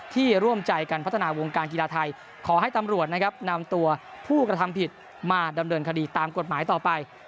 ร่วมใจกันพัฒนาวงการกีฬาไทยขอให้ตำรวจนะครับนำตัวผู้กระทำผิดมาดำเนินคดีตามกฎหมายต่อไป